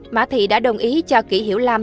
mã thị đã đồng ý cho kỷ hiểu lam